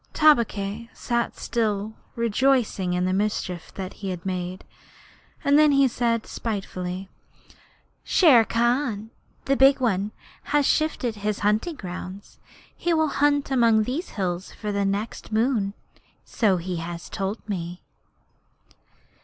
Tabaqui sat still, rejoicing in the mischief that he had made, and then he said spitefully: 'Shere Khan, the Big One, has shifted his hunting grounds. He will hunt among these hills for the next moon, so he has told me.'